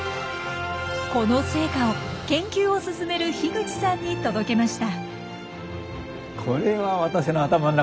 この成果を研究を進める口さんに届けました。